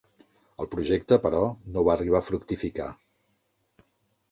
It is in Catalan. El projecte, però, no va arribar a fructificar.